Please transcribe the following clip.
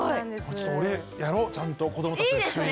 ちょっと俺やろちゃんと子どもたちと一緒に。